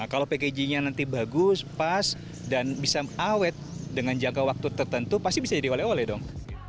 kalau packagingnya nanti bagus pas dan bisa awet dengan jangka waktu tertentu pasti bisa jadi oleh oleh dong